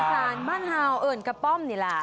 อีสานบ้านท้าวเอิญกระปำนี่ล่ะ